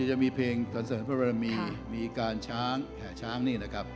จะมีเพลงสันเสริมพระบรมีมีการช้างแห่ช้างนี่นะครับ